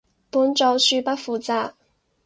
本組恕不負責